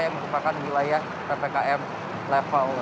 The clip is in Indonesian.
yang merupakan wilayah ppkm level empat